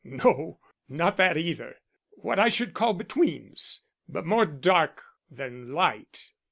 "No, not that either. What I should call betweens. But more dark than light."